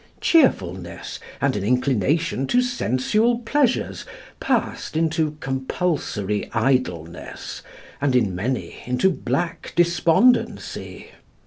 Cheerfulness and an inclination to sensual pleasures passed into compulsory idleness, and, in many, into black despondency.